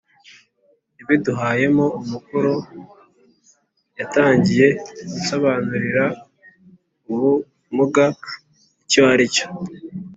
yabiduhayemo umukoro. yatangiye ansobanurira ubumuga icyo ari cyo,